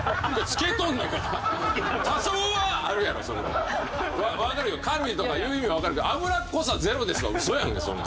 多少はあるやろそれは。わかるよカロリーとかいう意味はわかるけど「油っこさゼロです」はウソやんかそんな。